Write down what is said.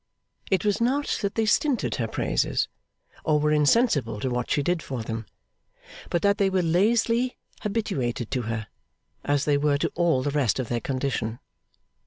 It was not that they stinted her praises, or were insensible to what she did for them; but that they were lazily habituated to her, as they were to all the rest of their condition.